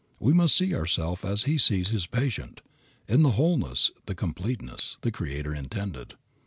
We must see ourselves as he sees his patient, in the wholeness, the completeness, the Creator intended.